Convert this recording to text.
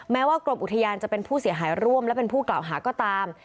แม้ว่ากรมอุทยานจะเป็นผู้เสียหายร่วมและเป็นผู้กล่าวหาก็ตาม